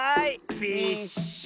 フィッシュ！